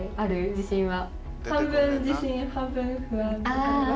自信は。